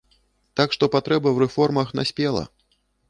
Так што патрэба ў рэформах наспела.